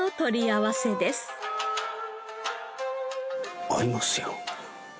合いますよ。